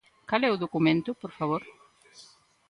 ¿Cal é o documento, por favor?